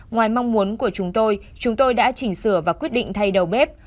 ngoài mong muốn của chúng tôi chúng tôi đã chỉnh sửa và quyết định thay đầu bếp